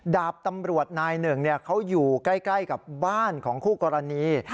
ดาบตำรวจนายหนึ่งเขาอยู่ใกล้กับบ้านของคู่กรณี